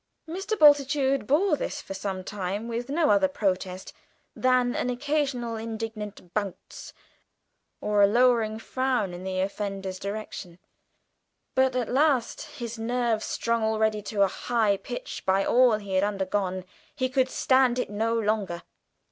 Mr. Bultitude bore this for some time with no other protest than an occasional indignant bounce or a lowering frown in the offender's direction, but at last his nerves, strung already to a high pitch by all he had undergone, could stand it no longer.